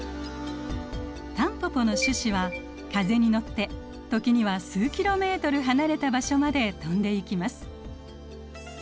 タンポポの種子は風に乗って時には数キロメートル離れた場所まで飛んでいきます。